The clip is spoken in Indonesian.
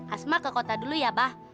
asma ke kota dulu ya bah